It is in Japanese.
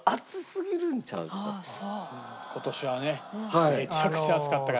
今年はねめちゃくちゃ暑かったからね。